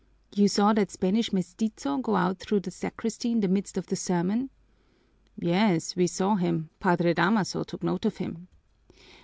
"You saw that Spanish mestizo go out through the sacristy in the midst of the sermon?" "Yes, we saw him. Padre Damaso took note of him."